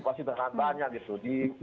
pasti terhantarannya gitu